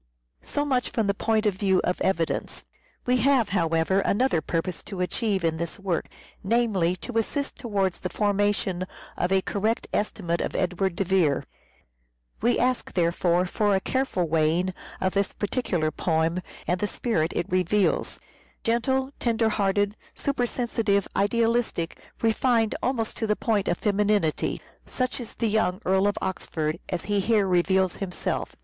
So much from the point of view of evidence. We have, however, another purpose to achieve in this work ; namely, to assist towards the formation of a correct estimate of Edward de Vere. We ask, there fore, for a careful weighing of this particular poem and the spirit it reveals. Gentle, tender hearted, supersensitive, idealistic, refined almost to the point of femininity ; such is the young Earl of Oxford as he here reveals himself.